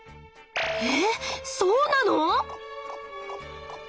えそうなの？